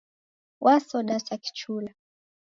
Wasoda sa kichula.